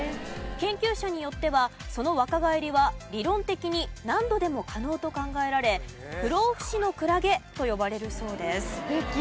研究者によってはその若返りは理論的に何度でも可能と考えられ不老不死のクラゲと呼ばれるそうです。